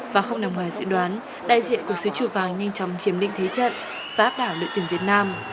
và không nằm ngoài dự đoán đại diện của sứ chua vàng nhanh chóng chiếm lĩnh thế trận và áp đảo đội tuyển việt nam